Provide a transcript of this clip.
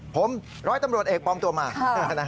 ผมร้อยตำรวจเอกปลอมตัวมา